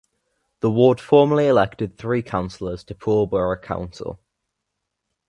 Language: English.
The ward formerly elected three councillors to Poole Borough Council.